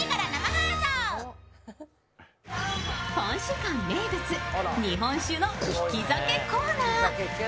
館名物、日本酒の利き酒コーナー。